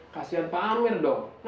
kasian pak armin dong